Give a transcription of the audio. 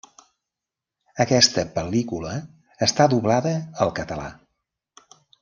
Aquesta pel·lícula està doblada al català.